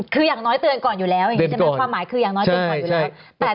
คือย่างน้อยเตือนก่อนอยู่แล้วความหมายเป็นอย่างน้อยเตือนก่อนอยู่แล้ว